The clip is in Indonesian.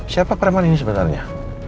siapa preman ini sebenarnya